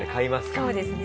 そうですね。